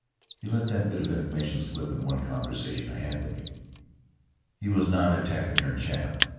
He let that bit of information slip in one conversation I had with him. He was not a taciturn chap.